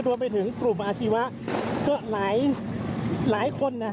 รวมไปถึงกลุ่มอาชีวะก็หลายคน